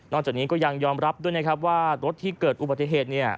นอกจากนี้ก็ยังยอมรับด้วยว่ารถที่เกิดอุบัติเหตุ